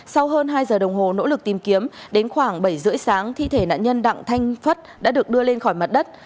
sau hơn hai giờ đồng hồ nỗ lực tìm kiếm đến khoảng bảy h ba mươi sáng thi thể nạn nhân đặng thanh phất đã được đưa lên khỏi mặt đất